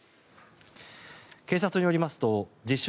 警察によりますと自称